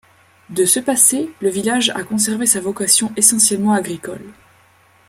De ce passé, le village a conservé sa vocation essentiellement agricole.